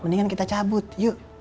mendingan kita cabut yuk